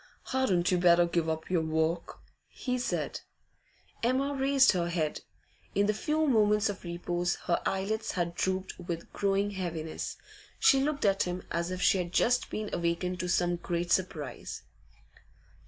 'Hadn't you better give up your work?' he said. Emma raised her head. In the few moments of repose her eyelids had drooped with growing heaviness; she looked at him as if she had just been awakened to some great surprise.